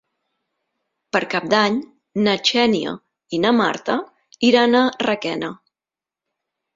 Per Cap d'Any na Xènia i na Marta iran a Requena.